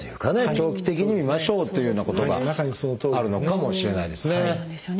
長期的に見ましょうというようなことがあるのかもしれないですね。